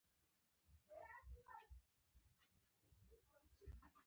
روهیال وروسته ایمیل ته را ولېږل.